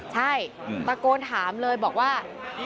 ใช่ตะโกนถามเลยบอกว่า